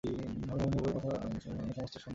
হরিমোহিনী উভয়ের কথোপকথন সমস্ত শুনিয়াছিলেন।